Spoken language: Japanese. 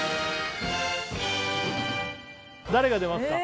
誰が出ますか？